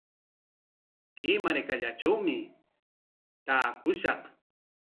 Kay markallatrawmi taakushaq.